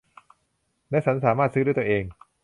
ฉันสามารถซื้อด้วยตัวเอง